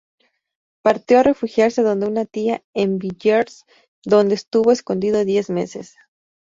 Partió a refugiarse donde una tía, en Villiers, donde estuvo escondido diez meses.